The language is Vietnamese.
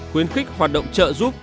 bảy khuyến khích hoạt động trợ giúp